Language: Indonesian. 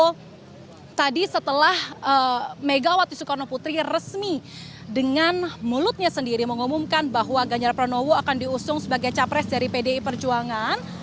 nah mevri kalau bicara juga soal ganjar pranowo tadi setelah megawati soekarno putri resmi dengan mulutnya sendiri mengumumkan bahwa ganjar pranowo akan diusung sebagai capres dari pdi perjuangan